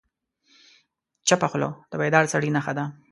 چپه خوله، د بیدار سړي نښه ده.